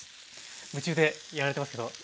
夢中でやられてますけど。